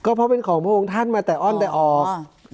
เพราะเป็นของพระองค์ท่านมาแต่อ้อนแต่ออก